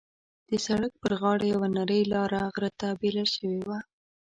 د سړک پر غاړه یوه نرۍ لاره غره ته بېله شوې وه.